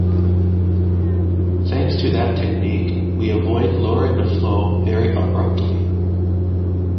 Thanks to that technique, we avoid lowering the flow very abruptly.